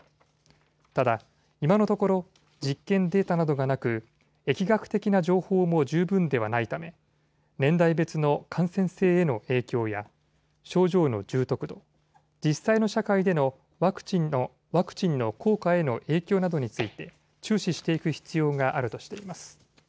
ただ、今のところ実験データなどがなく疫学的な情報も十分ではないため年代別の感染性への影響や症状の重篤度、実際の社会でのワクチンの効果への影響などについて注視していく必要があるとしています。